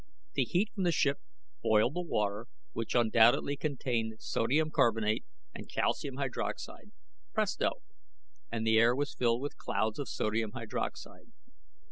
The heat from the ship boiled the water which undoubtedly contained sodium carbonate and calcium hydroxide; presto, and the air was filled with clouds of sodium hydroxide.